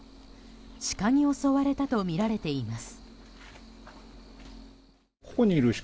シカに襲われたとみられています。